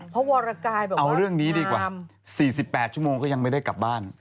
วรกายบอกเอาเรื่องนี้ดีกว่า๔๘ชั่วโมงก็ยังไม่ได้กลับบ้าน